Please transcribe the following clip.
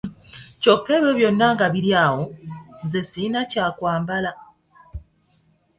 Kyokka ebyo byonna nga biri awo, nze sirina kyakwambala.